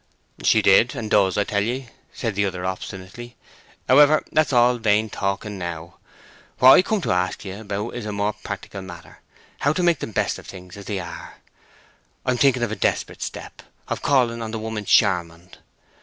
"She did, and does, I tell ye," said the other, obstinately. "However, all that's vain talking now. What I come to ask you about is a more practical matter—how to make the best of things as they are. I am thinking of a desperate step—of calling on the woman Charmond.